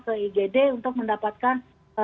ke igd untuk mendapatkan